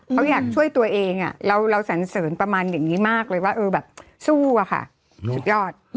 เขาอยากช่วยตัวเองเราสันเสริญประมาณอย่างนี้มากเลยว่าเออแบบสู้อะค่ะสุดยอด